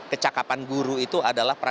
kecakapan guru itu ada di dalam hal ini